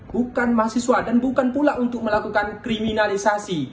bukan mahasiswa dan bukan pula untuk melakukan kriminalisasi